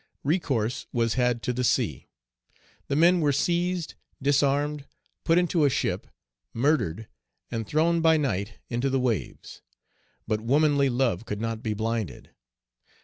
Recourse was had to the sea. The men were seized, disarmed, put into a ship, murdered, and thrown by night into the waves. But womanly love could not be blinded.